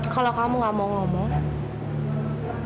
kalau kamu gak mau ngomong